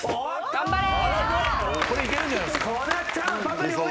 頑張れ！